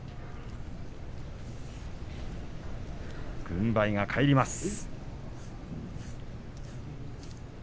軍配が返ります。